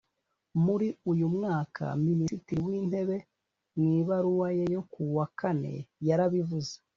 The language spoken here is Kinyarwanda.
muri uyu mwaka minisitiri w’ intebe mu ibaruwa ye yo kuwa kane yarabivuze.